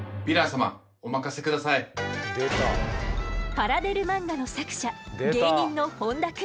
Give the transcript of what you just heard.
パラデル漫画の作者芸人の本多くん。